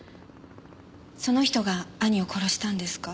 その人が兄を殺したんですか？